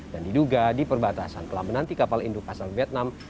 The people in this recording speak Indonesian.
dan diduga di perbatasan kelam menanti kapal induk asal vietnam